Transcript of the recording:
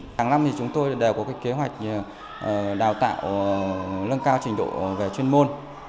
tháng năm thì chúng tôi đều có cái kế hoạch đào tạo lân cao trình độ về chuyên môn